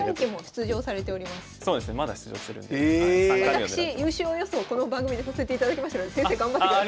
私優勝予想この番組でさせていただきましたので先生頑張ってください。